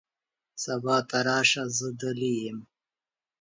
سبا ته راشه ، زه دلې یم .